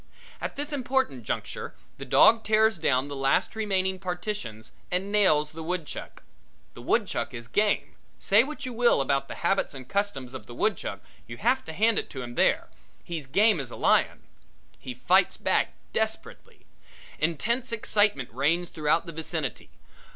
At this important juncture, the dog tears down the last remaining partitions and nails the woodchuck. The woodchuck is game say what you will about the habits and customs of the woodchuck you have to hand it to him there he's game as a lion. He fights back desperately. Intense excitement reigns throughout the vicinity.